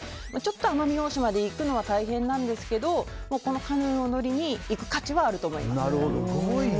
奄美大島で行くのは大変なんですがこのカヌーに乗りに行く価値はあると思います。